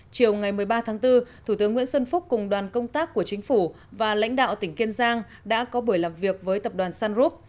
chiều ngày một mươi ba tháng bốn thủ tướng nguyễn xuân phúc cùng đoàn công tác của chính phủ và lãnh đạo tỉnh kiên giang đã có buổi làm việc với tập đoàn sunrop